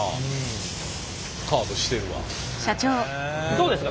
どうですか？